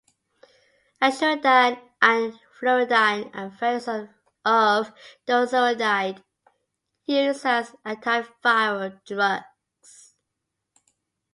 Idoxuridine and Trifluridine are variants of deoxyuridine used as antiviral drugs.